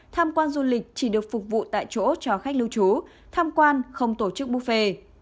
tham quan du lịch chỉ được phục vụ tại chỗ cho khách lưu trú tham quan không tổ chức buffet